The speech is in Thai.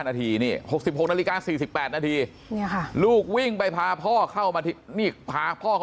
นาทีนี่๖๖นาฬิกา๔๘นาทีลูกวิ่งไปพาพ่อเข้ามานี่พาพ่อเขา